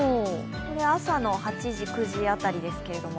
朝の８時、９時辺りですけども。